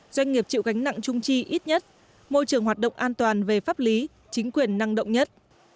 doanh nghiệp chịu gánh nặng trung chi ít nhất môi trường hoạt động an toàn về pháp lý chính quyền năng động nhất